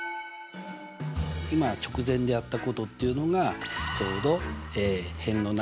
今直前でやったことっていうのがちょうど辺の長さとその対角。